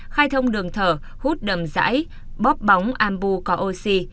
khai thông đường thở hút đầm rãi bóp bóng am bu có oxy